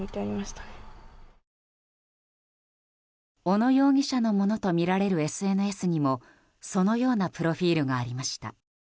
小野容疑者のものとみられるＳＮＳにもそのようなプロフィールがありました。